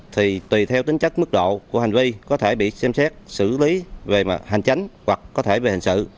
thì tùy theo tính chất mức độ của hành vi có thể bị xem xét xử lý về hành chánh hoặc có thể về hành sự